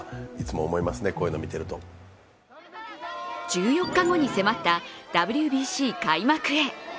１４日後に迫ったＷＢＣ開幕へ。